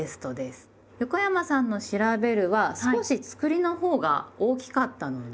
横山さんの「『調』べる」は少しつくりのほうが大きかったので。